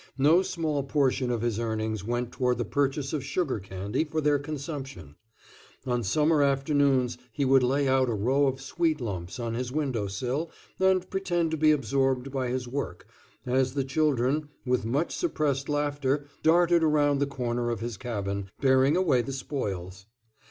No small portion of his earnings went toward the purchase of sugar candy for their consumption. On summer afternoons he would lay out a row of sweet lumps on his window sill and pretend to be absorbed by his work, as the children, with much suppressed laughter, darted around the corner of his cabin, bearing away the spoils.